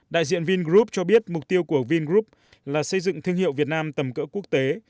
đại diện vingroup cho biết mục tiêu của vingroup là xây dựng thương hiệu việt nam tầm cỡ quốc tế